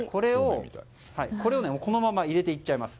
これを、このまま入れていっちゃいます。